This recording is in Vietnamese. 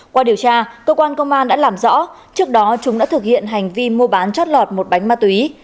qua điều tra cơ quan công an đã làm rõ trước đó chúng đã thực hiện hành vi mua bán chót lọt một bánh ma túy